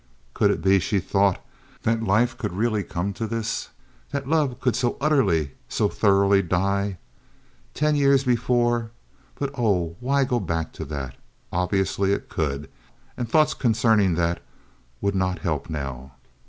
Could it be, she thought, that life could really come to this—that love could so utterly, so thoroughly die? Ten years before—but, oh, why go back to that? Obviously it could, and thoughts concerning that would not help now.